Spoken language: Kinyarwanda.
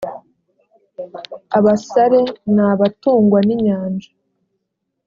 abasare n abatungwa n inyanja